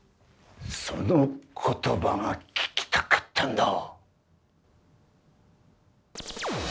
その言葉が聞きたかったんだ。